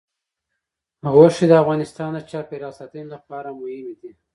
غوښې د افغانستان د چاپیریال ساتنې لپاره مهم دي.